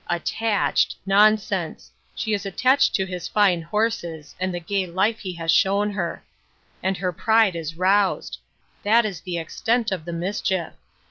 "Attached! Nonsense! She is attached to his fine horses, and the gay life he has shown her ; and her pride is roused ; that is the extent of the mis chief.